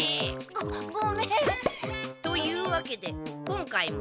ごごめん。というわけで今回も。